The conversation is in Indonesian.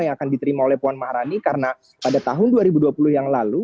yang akan diterima oleh puan maharani karena pada tahun dua ribu dua puluh yang lalu